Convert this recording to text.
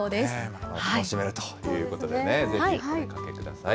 まだまだ楽しめるということでね、ぜひ、お出かけください。